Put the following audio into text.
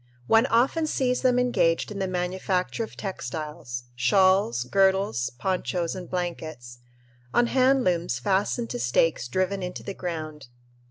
One often sees them engaged in the manufacture of textiles shawls, girdles, ponchos, and blankets on hand looms fastened to stakes driven into the ground.